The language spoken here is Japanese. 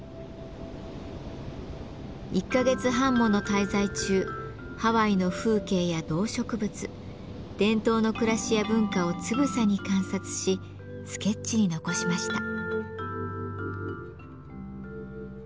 １か月半もの滞在中ハワイの風景や動植物伝統の暮らしや文化をつぶさに観察しスケッチに残しました。